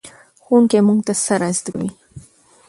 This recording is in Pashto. ښوونکی موږ ته څه را زده کوي؟